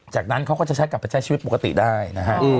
จากนั้นเขาก็จะใช้กลับไปใช้ชีวิตปกติได้นะฮะ